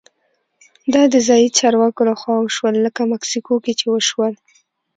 دا د ځايي چارواکو لخوا وشول لکه مکسیکو کې چې وشول.